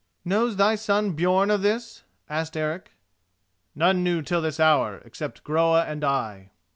"Knows thy son Björn of this?" asked Eric. "None knew it till this hour, except Groa and I."